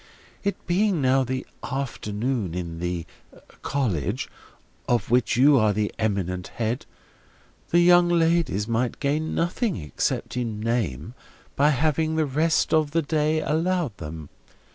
It being now the afternoon in the—College—of which you are the eminent head, the young ladies might gain nothing, except in name, by having the rest of the day allowed them.